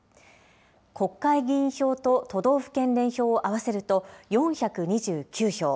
国会議員票と都道府県連票を合わせると４２９票。